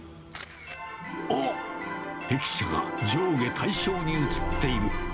おっ、駅舎が上下対称に写っている。